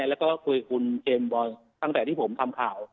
แล้วก็คุยคุณเจมส์บอลตั้งแต่ที่ผมทำข่าว